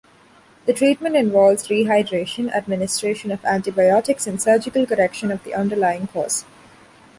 The treatment involves rehydration, administration of antibiotics, and surgical correction of the underlying cause.